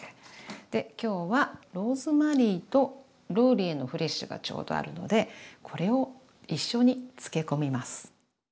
で今日はローズマリーとローリエのフレッシュがちょうどあるのでこれを一緒に漬け込みます。